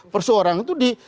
persorangan itu di